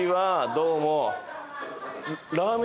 どうも。